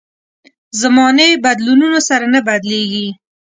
زمانې بدلونونو سره نه بدلېږي.